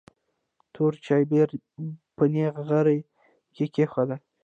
تور چایبر یې په نغري کې کېښود.